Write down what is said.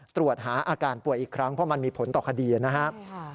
ตรวจหาอาการป่วยอีกครั้งเพราะมันมีผลต่อคดีนะครับ